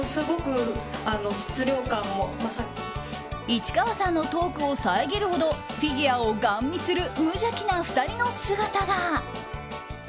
市川さんのトークを遮るほどフィギュアをガン見する無邪気な２人の姿が。